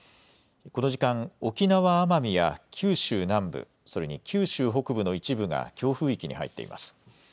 この時間、沖縄・奄美や九州南部、それに九州北部の一部が強風域に入っています。